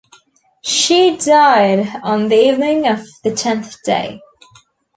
She died on the evening of the tenth day.